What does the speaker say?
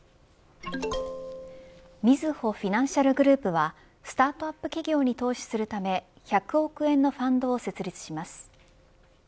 みずほフィナンシャルグループはスタートアップ企業に投資するため１００億円のファンドを設立します。